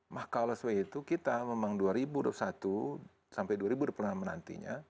maka oleh sebab itu kita memang dua ribu dua puluh satu sampai dua ribu dua puluh enam menantinya